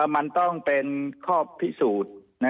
มันต้องเป็นข้อพิสูจน์